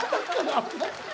危ない。